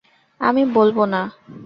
আমি বলব, না।